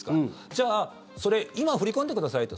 じゃあ、それ今振り込んでくださいと。